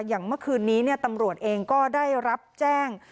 อย่างเมื่อคืนนี้ตำรวจเองก็ได้รับแจ้ง